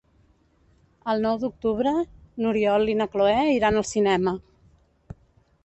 El nou d'octubre n'Oriol i na Cloè iran al cinema.